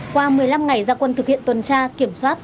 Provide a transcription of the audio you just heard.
qua một mươi năm ngày gia quân thực hiện tuần tra kiểm soát